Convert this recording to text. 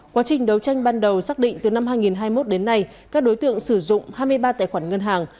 quá trình đấu tranh ban đầu xác định từ năm hai nghìn hai mươi một đến nay các đối tượng sử dụng hai mươi ba tài khoản ngân hàng